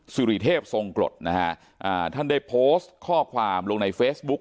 สุริเทพทรงกรดนะฮะอ่าท่านได้โพสต์ข้อความลงในเฟซบุ๊ก